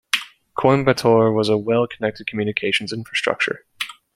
Coimbatore has a well-connected communications infrastructure.